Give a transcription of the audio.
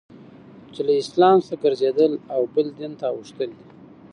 چي له اسلام څخه ګرځېدل او بل دین ته اوښتل دي.